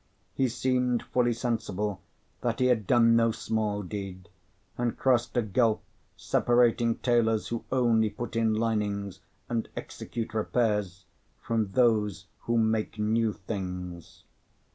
He seemed fully sensible that he had done no small deed, and crossed a gulf separating tailors who only put in linings, and execute repairs, from those who make new things.